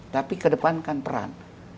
tapi kedepankan peran